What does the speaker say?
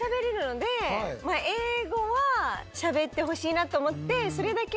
英語はしゃべってほしいなと思ってそれだけは。